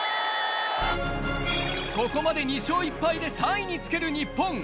ここまで２勝１敗で３位につける日本。